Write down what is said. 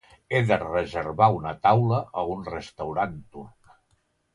He de reservar una taula a un restaurant turc.